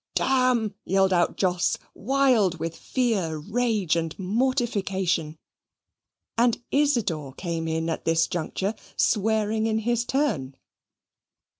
"D n!" yelled out Jos, wild with fear, rage, and mortification; and Isidor came in at this juncture, swearing in his turn.